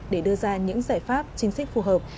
để đưa ra những giải pháp chính sách phù hợp